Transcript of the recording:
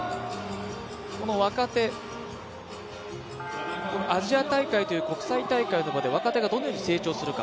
この若手、アジア大会という国際大会の場で若手がどのように成長するか。